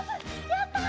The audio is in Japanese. やった！